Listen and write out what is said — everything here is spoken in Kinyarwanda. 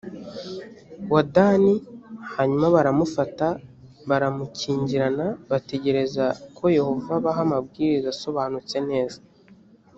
wa dani hanyuma baramufata baramukingirana bategereza koyehova abaha amabwiriza asobanutse neza